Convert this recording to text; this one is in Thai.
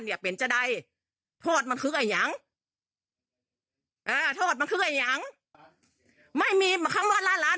เนี้ยเป็นจะใดโทษมันคืออย่างอ่าโทษมันคืออย่างไม่มีคำว่าล้านล้าน